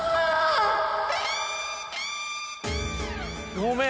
ごめん！